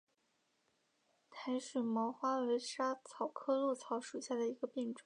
台水毛花为莎草科藨草属下的一个变种。